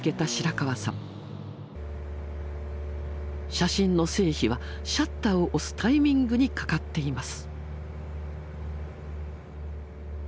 写真の成否はシャッターを押すタイミングにかかっています。